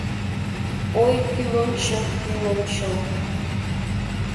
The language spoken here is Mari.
Ой, кӱ лончо, кӱ лончо